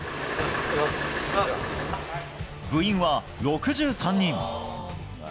部員は６３人。